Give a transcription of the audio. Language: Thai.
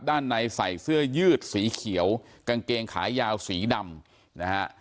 ด้านในใส่เสื้อยืดสีเขียวกางเกงขายาวสีดำนะฮะ